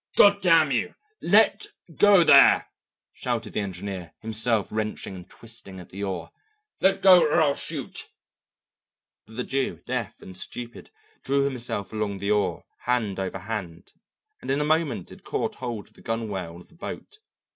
"God damn you, let go there!" shouted the engineer, himself wrenching and twisting at the oar. "Let go or I'll shoot!" But the Jew, deaf and stupid, drew himself along the oar, hand over hand, and in a moment had caught hold of the gunwale of the boat.